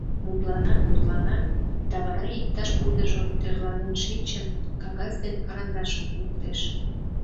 Мутланат-мутланат, да вара иктаж-кудыжо, тӧрланен шинчын, кагаз ден карандашым луктеш.